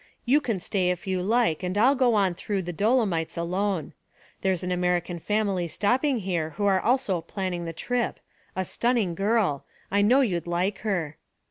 You can stay if you like and I'll go on through the Dolomites alone. There's an American family stopping here who are also planning the trip a stunning girl; I know you'd like her.